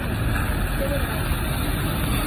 ¡Que vergonza!